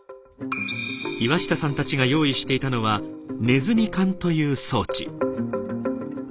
岩下さんたちが用意していたのは「ネズミ管」という装置。